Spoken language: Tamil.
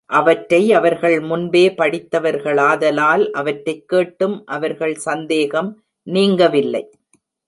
அவற்றை அவர்கள் முன்பே படித்தவர்களாதலால் அவற்றைக் கேட்டும் அவர்கள் சந்தேகம் நீங்கவில்லை.